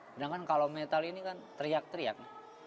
sedangkan kalau metal ini kan teriak teriak